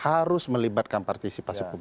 harus melibatkan partisipasi publik